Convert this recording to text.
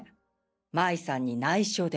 麻衣さんに内緒で。